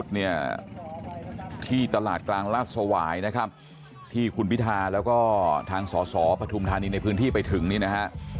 เนี่ยที่ตลาดกลางราชสวายนะครับที่คุณพิธาแล้วก็ทางสสปฐุมธานีในพื้นที่ไปถึงนี่นะฮะ